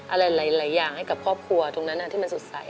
อะไรหลายอย่างให้กับครอบครัวตรงนั้นที่มันสดใส